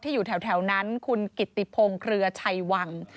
อยู่แถวนั้นคุณกิตติพงศ์เครือชัยวัง